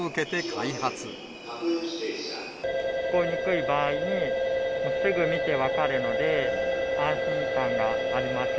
聞こえにくい場合に、すぐ見て分かるので、安心感があります。